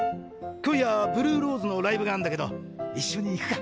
今夜ブルーローズのライブがあんだけど一緒に行くか？